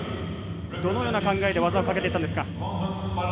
どのような考えで技をかけていったんですか。